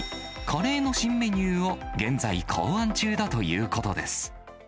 カレーの新メニューを現在、考案中だということです。